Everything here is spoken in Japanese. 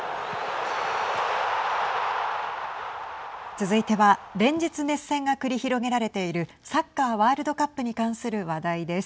続いては、連日熱戦が繰り広げられているサッカーワールドカップに関する話題です。